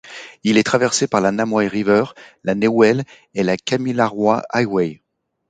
Il est traversé par la Namoi River, la Newell et la Kamilaroi Highway.